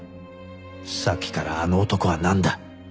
さっきからあの男はなんだ？